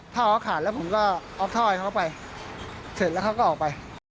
ท่อเขาขาดแล้วผมก็ออฟท่อให้เขาไปเสร็จแล้วเขาก็ออกไป